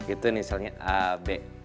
itu inisialnya a b